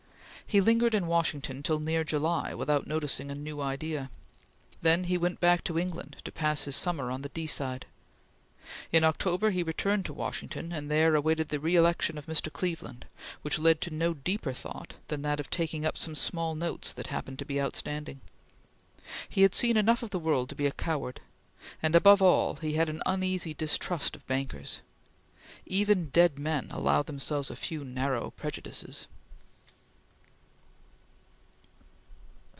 He lingered in Washington till near July without noticing a new idea. Then he went back to England to pass his summer on the Deeside. In October he returned to Washington and there awaited the reelection of Mr. Cleveland, which led to no deeper thought than that of taking up some small notes that happened to be outstanding. He had seen enough of the world to be a coward, and above all he had an uneasy distrust of bankers. Even dead men allow themselves a few narrow prejudices.